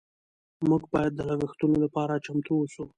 موږ باید د لګښتونو لپاره چمتو اوسو.